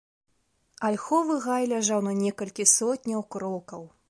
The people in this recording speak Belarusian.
Альховы гай ляжаў на некалькі сотняў крокаў.